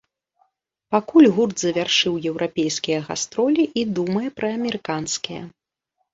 Пакуль гурт завяршыў еўрапейскія гастролі і думае пра амерыканскія.